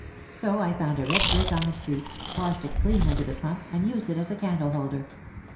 So I found a red brick on the street, washed it clean under the pump and used it as a candle holder.